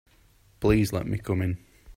Please let me come in.